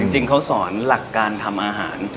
จริงเขาสอนหลักการทำอาหาร